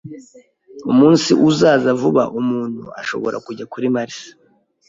Umunsi uzaza vuba umuntu ashobora kujya kuri Mars